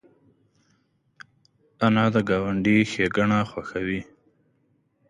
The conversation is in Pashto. انا د ګاونډي ښېګڼه خوښوي